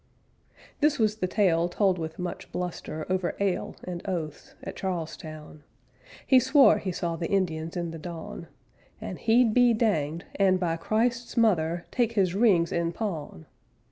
This was the tale Told with much bluster, Over ale And oaths, At Charles Town. He swore he saw the Indians in the dawn, And he'd be danged! _And by Christ's Mother _ _Take his rings in pawn!